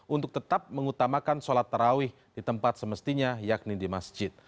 untuk tetap mengutamakan sholat tarawih di tempat semestinya yakni di masjid